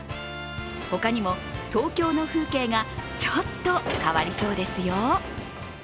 他にも、東京の風景がちょっと変わりそうですよ。